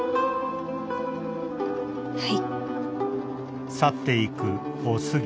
はい。